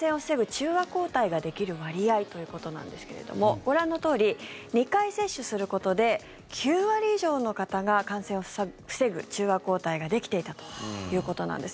中和抗体ができる割合ということなんですけれどもご覧のとおり２回接種することで９割以上の方が感染を防ぐ中和抗体ができていたということなんです。